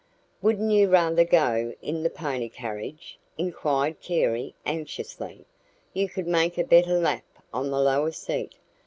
"Wouldn't you rather go in the pony carriage?" inquired Carey anxiously. "You could make a better lap on the lower seat.